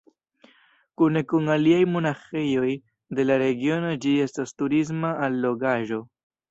Kune kun aliaj monaĥejoj de la regiono ĝi estas turisma allogaĵo.